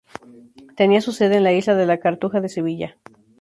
Tenía su sede en la Isla de la Cartuja de Sevilla.